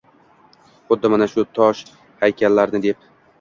Xuddi mana shu tosh haykallarni deb.